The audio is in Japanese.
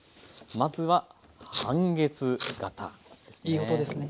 まずは半月形ですね。